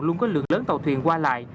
luôn có lượng lớn tàu thuyền qua lại